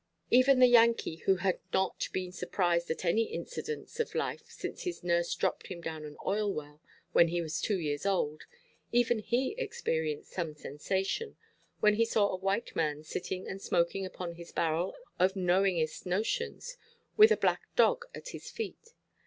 Even the Yankee, who had not been surprised at any incident of life since his nurse dropped him down an oil–well, when he was two years old, even he experienced some sensation, when he saw a white man sitting and smoking upon his barrel of knowingest notions, with a black dog at his feet.